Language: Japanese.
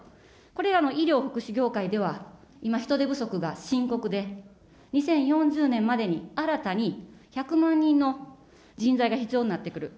これらの医療福祉業界では、今人手不足が深刻で、２０４０年までに新たに１００万人の人材が必要になってくる。